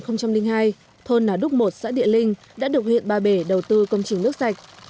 năm hai nghìn hai thôn nà đúc một xã địa linh đã được huyện ba bể đầu tư công trình nước sạch